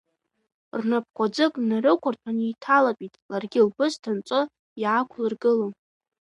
Рнапқәа ӡык нарықәырҭәан, еиҭалатәеит, ларгьы лбысҭа нҵо иаақәлыргылон.